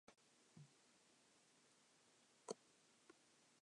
Kingston married three times, being widowed in his first two marriages.